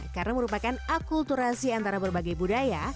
karena merupakan akulturasi antara berbagai budaya